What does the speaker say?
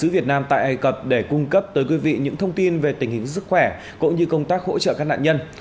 sứ việt nam tại ai cập để cung cấp tới quý vị những thông tin về tình hình sức khỏe cũng như công tác hỗ trợ các nạn nhân